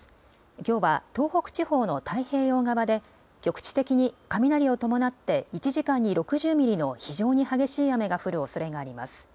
きょうは東北地方の太平洋側で局地的に雷を伴って１時間に６０ミリの非常に激しい雨が降るおそれがあります。